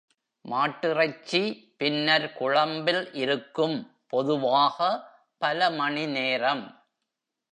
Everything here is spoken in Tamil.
மாட்டிறைச்சி பின்னர் குழம்பில் இருக்கும், பொதுவாக பல மணிநேரம்.